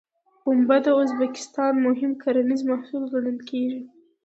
پنبه د ازبکستان مهم کرنیز محصول ګڼل کېږي.